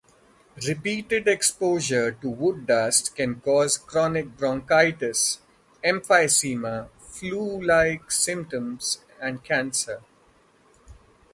Repeated exposure to wood dust can cause chronic bronchitis, emphysema, "flu-like" symptoms, and cancer.